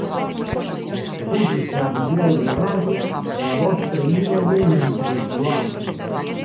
Púxose arrubiado de rabia, e a voz tremíalle mentres bruaba